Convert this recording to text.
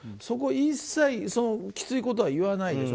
そこを一切きついことは言わない。